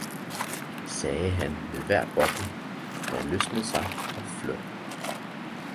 sagde han ved hver boble, der løsnede sig og fløj.